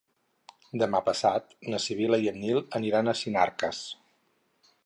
Demà passat na Sibil·la i en Nil aniran a Sinarques.